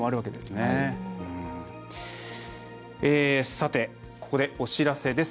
さてここでお知らせです。